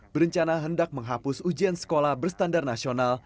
berencana hendak menghapus ujian sekolah berstandar nasional